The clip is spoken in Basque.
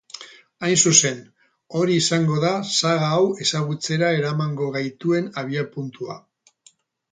Hain zuzen, hori izango da saga hau ezagutzera eramango gaituen abiapuntua.